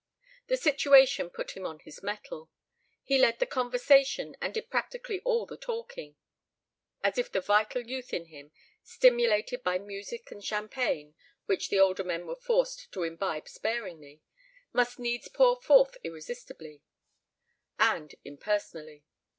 The situation put him on his mettle. He led the conversation and did practically all the talking: as if the vital youth in him, stimulated by music and champagne (which the older men were forced to imbibe sparingly), must needs pour forth irresistibly and impersonally.